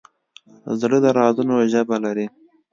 زړه د رازونو ژبه لري.